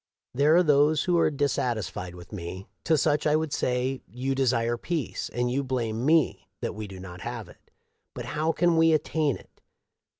" There are those who are dissatisfied with me. To such I would say : You desire peace ; and you blame me that we do not have it. I5ut how can we attain it